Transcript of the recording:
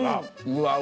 うわ。